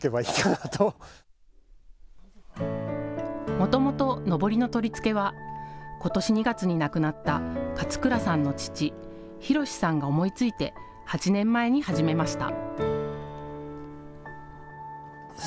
もともと、のぼりの取り付けはことし２月に亡くなった勝倉さんの父、宏さんが思いついて、８年前に始めました。